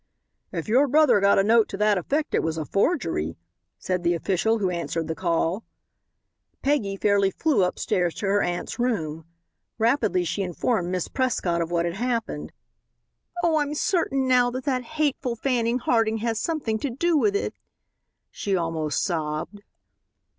"If your brother got a note to that effect it was a forgery," said the official who answered the call. Peggy fairly flew upstairs to her aunt's room. Rapidly she informed Miss Prescott of what had happened. "Oh, I'm certain now that that hateful Fanning Harding has something to do with it," she almost sobbed.